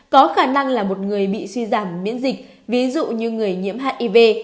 có khả năng là một người bị suy giảm miễn dịch ví dụ như người nhiễm hiv